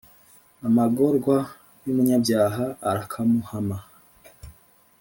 amagorwa y’umunyabyaha arakamuhama.